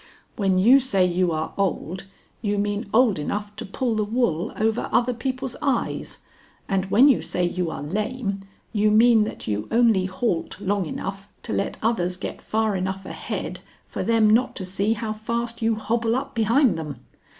"When you say you are old, you mean old enough to pull the wool over other people's eyes, and when you say you are lame, you mean that you only halt long enough to let others get far enough ahead for them not to see how fast you hobble up behind them.